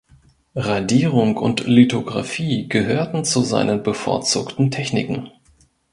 Radierung und Lithografie gehörten zu seinen bevorzugten Techniken.